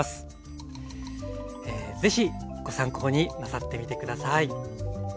ぜひご参考になさってみて下さい。